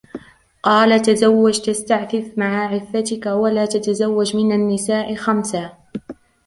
قَالَ تَزَوَّجْ تَسْتَعْفِفْ مَعَ عِفَّتِك ، وَلَا تَتَزَوَّجْ مِنْ النِّسَاءِ خَمْسًا